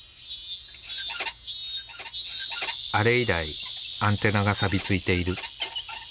あれ以来アンテナがさび付いている。